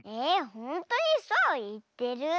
ほんとにそういってる？